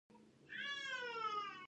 د کندهار انار ډیرې اوبه لري.